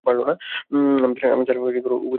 আমি তার উপস্থিতি অনুভব করেছি।